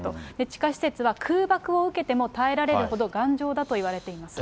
地下施設は空爆を受けても耐えられるほど頑丈だといわれています。